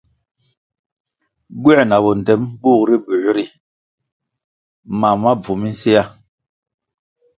Gywer na bondtem bug ri buěr ri mam ma bvu minséa.